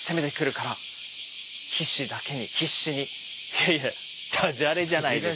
いやいやダジャレじゃないですか。